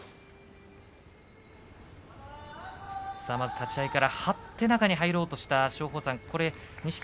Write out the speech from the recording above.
立ち合いから張って中に入ろうとした松鳳山錦木